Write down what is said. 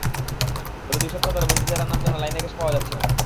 তবে দুই সপ্তাহ ধরে বন্দীদের রান্নার জন্য লাইনে গ্যাস পাওয়া যাচ্ছে না।